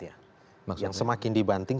yang semakin dibanting